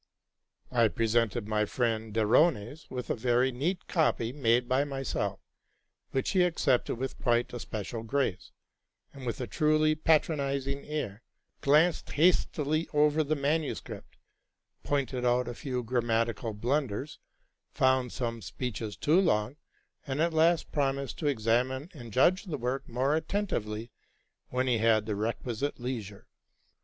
I presented my friend Derones with a very neat copy, RELATING TO MY LIFE. 89 made by myself; which he accepted with quite a special erace, and with a truly patronizing air, glanced hastily over the manuscript, pointed out a few erammatical blunders, found some speeches too long, and at last promised to exam ine and judge the work more attentively when he had the vequisite leisure.